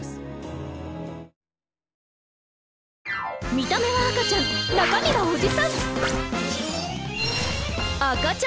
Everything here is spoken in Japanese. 見た目は赤ちゃん中身はおじさん！